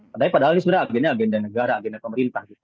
padahal ini sebenarnya agendanya agenda negara agenda pemerintah gitu